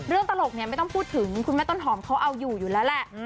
ตลกเนี่ยไม่ต้องพูดถึงคุณแม่ต้นหอมเขาเอาอยู่อยู่แล้วแหละ